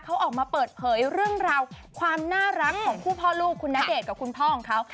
เขาออกมาเปิดเผยเรื่องราวความน่ารักของคู่พ่อลูกคุณณเดชน์กับคุณพ่อของเขา